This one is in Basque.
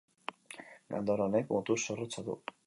Gandor honek mutur zorrotza du.